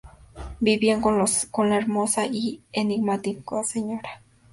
Vivían con la hermosa y enigmática Sra.